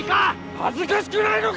恥ずかしくないのか！